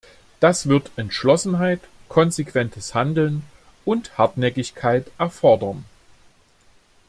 Das wird Entschlossenheit, konsequentes Handeln und Hartnäckigkeit erfordern.